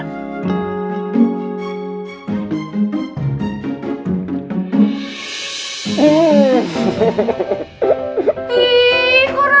ntar aku liat